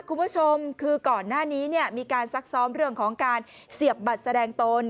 คุณผู้ชมคือก่อนหน้านี้เนี่ยมีการซักซ้อมเรื่องของการเสียบบัตรแสดงตน